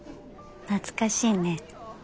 懐かしいね